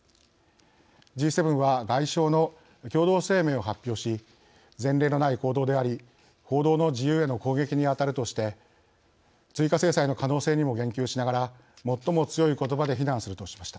Ｇ７は外相の共同声明を発表し前例のない行動であり報道の自由への攻撃にあたるとして追加制裁の可能性にも言及しながらもっとも強いことばで非難するとしました。